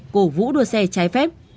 cổ vũ đua xe trái phép